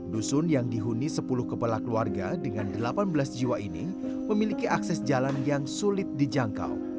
dusun yang dihuni sepuluh kepala keluarga dengan delapan belas jiwa ini memiliki akses jalan yang sulit dijangkau